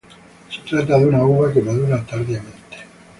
Se trata de una uva que madura tardíamente.